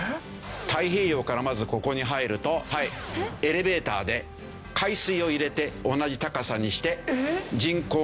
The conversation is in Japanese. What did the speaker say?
太平洋からまずここに入るとエレベーターで海水を入れて同じ高さにして人工の川